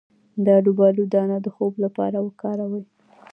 د الوبالو دانه د خوب لپاره وکاروئ